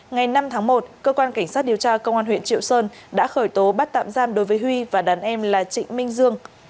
ngày năm tháng một cơ quan cảnh sát điều tra công an huyện triệu sơn đã khởi tố bắt tạm giam đối với huy và đàn em là trịnh minh dương